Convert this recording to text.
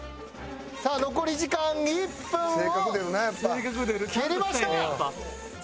さあ残り時間１分を切りました。